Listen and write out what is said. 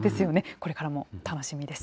これからも楽しみです。